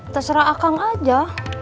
terserah akang aja